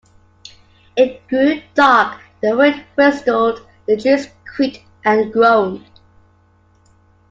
It grew dark, the wind whistled, the trees creaked and groaned.